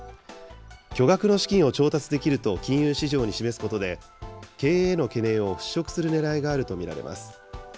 巨額の資金を調達できると金融市場に示すことで、経営への懸念を払拭するねらいがあると見られます。